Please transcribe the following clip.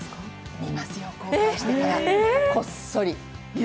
見ますよ、公開してからこっそり。